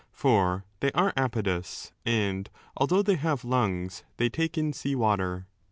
For they are apodous, and although they have lungs they take in sea water.